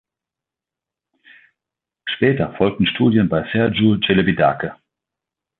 Später folgten Studien bei Sergiu Celibidache.